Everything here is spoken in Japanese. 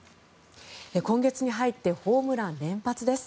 今月に入ってホームラン連発です。